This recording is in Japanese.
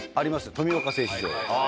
富岡製糸場。